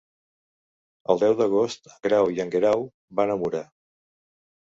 El deu d'agost en Grau i en Guerau van a Mura.